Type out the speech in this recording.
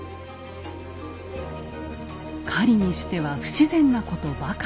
狩りにしては不自然なことばかり。